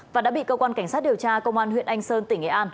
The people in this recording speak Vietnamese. và đã bị cơ quan cảnh sát điều tra công an huyện anh sơn tỉnh nghệ an